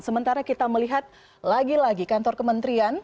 sementara kita melihat lagi lagi kantor kementerian